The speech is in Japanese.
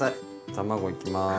卵いきます。